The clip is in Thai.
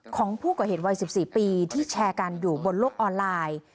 ของผู้ก่อเหตุวัย๑๔ปีที่แชร์กันอยู่บนโลกออนไลน์